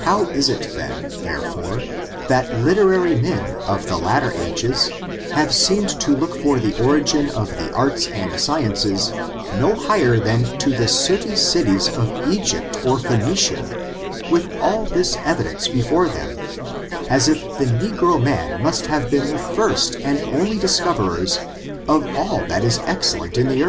How is it, therefore, that literary men of the latter ages have seemed to look for the origin of the arts and sciences no higher than to the sooty cities of ^ Egypt or PhcBuicia, with all this evidence before them, as if the negro man must have been the first and only discoverers of all that is excellent in the